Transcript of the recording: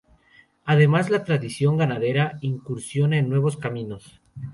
Además la tradición ganadera incursiona en nuevos caminos.